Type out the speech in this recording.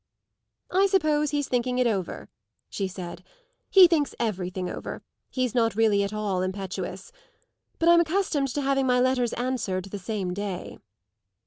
"I suppose he's thinking it over," she said; "he thinks everything over; he's not really at all impetuous. But I'm accustomed to having my letters answered the same day."